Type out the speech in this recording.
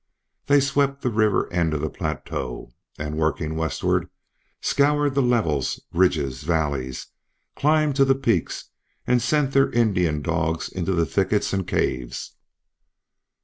They swept the river end of the plateau, and working westward, scoured the levels, ridges, valleys, climbed to the peaks, and sent their Indian dogs into the thickets and caves.